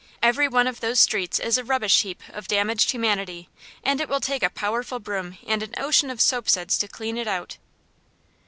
Every one of those streets is a rubbish heap of damaged humanity, and it will take a powerful broom and an ocean of soapsuds to clean it out.